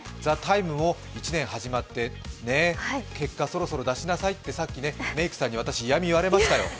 「ＴＨＥＴＩＭＥ，」も１年、始まって、結果をそろそろ出しなさいってさっきメイクさんにいやみ、言われましたよ。